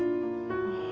うん。